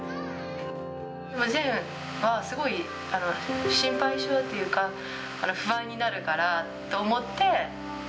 善はすごい心配性っていうか、不安になるからって思って。